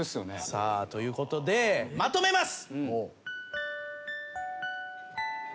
さあということでまとめます。